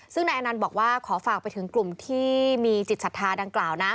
ซึ่งนายอนันต์บอกว่าขอฝากไปถึงกลุ่มที่มีจิตศรัทธาดังกล่าวนะ